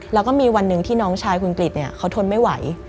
แล้วก็มีวันหนึ่งที่น้องชายคุณกริจเขาทนไม่ไหว